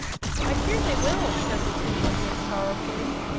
"I fear they will," said the Tin Woodman, sorrowfully.